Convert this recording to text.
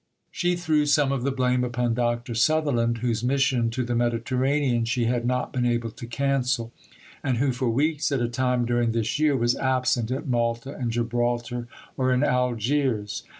She threw some of the blame upon Dr. Sutherland, whose mission to the Mediterranean she had not been able to cancel, and who, for weeks at a time during this year, was absent at Malta and Gibraltar or in Algiers.